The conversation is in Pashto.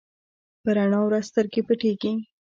په رڼا ورځ سترګې پټېږي.